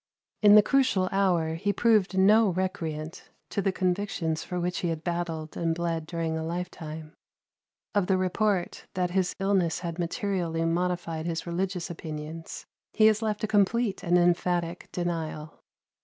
In the crucial hour he proved no recreant to the convictions for which he had battled and bled during a lifetime. Of the report that his illness had materially modified his religious opinions, he has left a complete and emphatic denial.